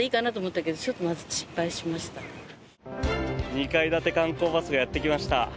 ２階建て観光バスがやってきました。